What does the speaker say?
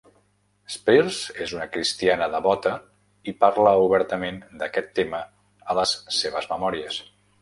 Spears és una cristiana devota i parla obertament d'aquest tema a les seves memòries.